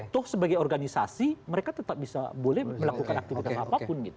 toh sebagai organisasi mereka tetap bisa boleh melakukan aktivitas apapun